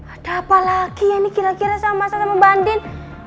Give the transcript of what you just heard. ada apa lagi ya ini kira kira sama mas al sama mbak andin